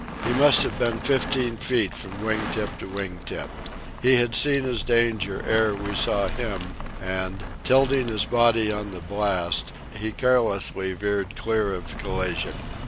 He must have been fifteen feet from wing tip to wing tip. He had seen his danger ere we saw him, and, tilting his body on the blast, he carelessly veered clear of collision.